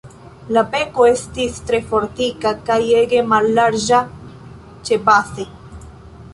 La beko estis tre fortika kaj ege mallarĝa ĉebaze.